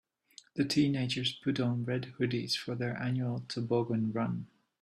The teenagers put on red hoodies for their annual toboggan run.